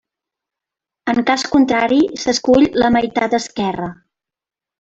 En cas contrari, s'escull la meitat esquerra.